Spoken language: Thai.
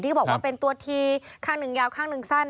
ก็บอกว่าเป็นตัวทีข้างหนึ่งยาวข้างหนึ่งสั้น